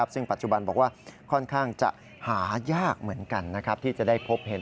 ซึ่งปัจจุบันบอกว่าค่อนข้างจะหายากเหมือนกันที่จะได้พบเห็น